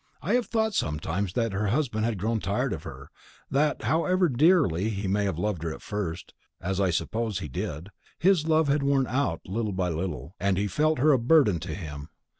I have thought sometimes that her husband had grown tired of her; that, however dearly he might have loved her at first, as I suppose he did, his love had worn out little by little, and he felt her a burden to him.